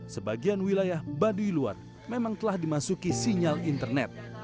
sebagian wilayah baduy luar memang telah dimasuki sinyal internet